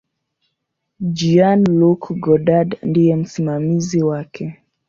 Jean-Luc Godard ndiye msimamizi wake.